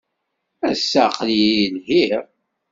Ass-a, aql-iyi lhiɣ.